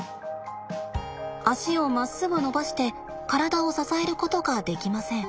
脚をまっすぐ伸ばして体を支えることができません。